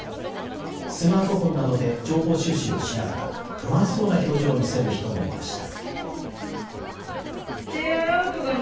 スマートフォンなどで情報収集をしながら不安そうな表情を見せる人もいました。